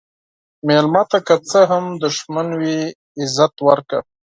مېلمه ته که څه هم دښمن وي، عزت ورکړه.